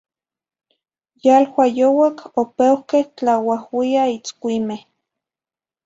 Yalua youac opeuhque tlauauiah itzcuimeh.